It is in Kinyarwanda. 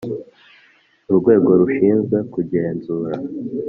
Urwego rushinzwe kugenzura